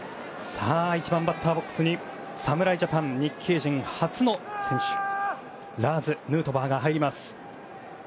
１番バッターボックスに侍ジャパン日系人初の選手ラーズ・ヌートバーが入ります。